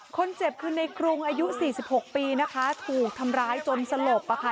คนเจ็บคือในกรุงอายุ๔๖ปีนะคะถูกทำร้ายจนสลบอะค่ะ